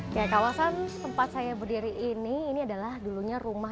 kawasan tempat saya berdiri ini adalah dulunya rumah